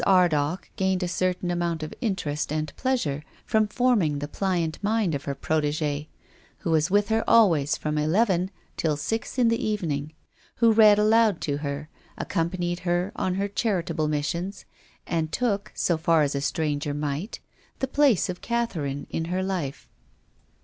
Ardagh gained a certain amount of interest and pleasure from forming the pliant mind of her protd'gee, who was with her always from eleven till six in the evening, who read aloud to her, accompanied her on her charitable missions, and took — so far as a stranger might, — the place of Catherine in her life.